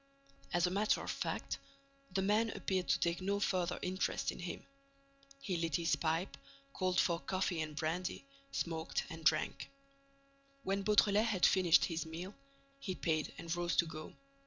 As a matter of fact, the man appeared to take no further interest in him. He lit his pipe, called for coffee and brandy, smoked and drank. When Beautrelet had finished his meal, he paid and rose to go.